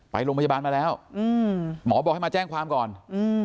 ไปโรงพยาบาลมาแล้วอืมหมอบอกให้มาแจ้งความก่อนอืม